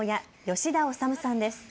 吉田修さんです。